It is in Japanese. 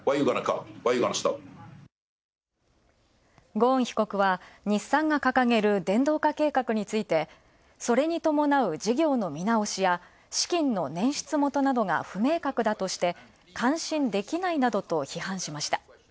ゴーン被告は日産が掲げる電動化計画について、それに伴う事業の見直しや資金の捻出元などが不明確などとして感心できないなどと批判しました。